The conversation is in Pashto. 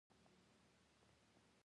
بېنډۍ له غوړو پرته هم پخېږي